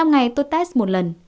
năm ngày tôi test một lần